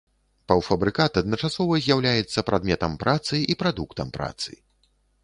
Паўфабрыкат адначасова з'яўляецца прадметам працы і прадуктам працы.